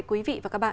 quý vị và các bạn